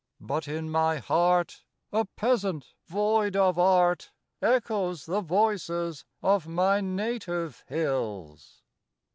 But in my heart A peasant void of art Echoes the voices of my native hills.